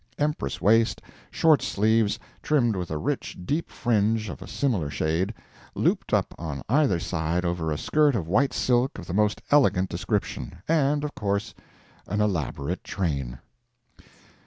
Empress waist, short sleeves, trimmed with a rich, deep fringe of a similar shade, looped up on either side over a skirt of white silk of the most elegant description, and, of course, an elaborate train."